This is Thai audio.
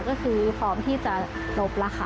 ก็คือพร้อมที่จะลบแล้วค่ะ